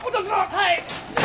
はい！